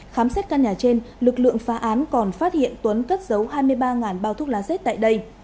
khám xét căn nhà trên lực lượng phá án còn phát hiện tuấn cất giấu hai mươi ba bao thuốc lá z tại đây